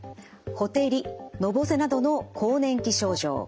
ほてりのぼせなどの更年期症状